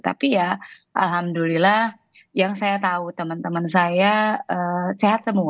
tapi ya alhamdulillah yang saya tahu teman teman saya sehat semua